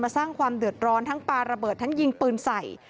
สร้างความเดือดร้อนทั้งปลาระเบิดทั้งยิงปืนใส่